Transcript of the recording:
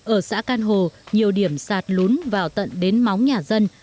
ở xã can hồ nhiều điểm sạt lún vào tận đến móng nhà dân